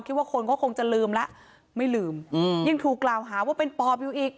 คิดว่าคนก็คงจะลืมละไม่ลืมอืมยังถูกกล่าวหาว่าเป็นปอบอยู่อีก